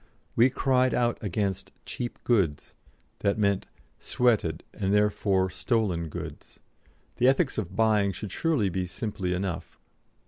We cried out against "cheap goods," that meant "sweated and therefore stolen goods." "The ethics of buying should surely be simply enough.